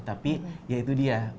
tapi ya itu dia